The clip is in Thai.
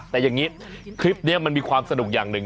แต่อย่างนี้คลิปนี้มันมีความสนุกอย่างหนึ่ง